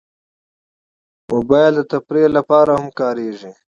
موبایل د تفریح لپاره هم کارېږي.